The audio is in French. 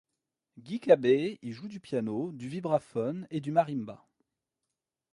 Guy Cabay y joue du piano, du vibraphone et du marimba.